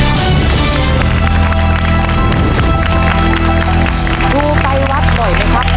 ครูไปวัดหน่อยมั้ยครับ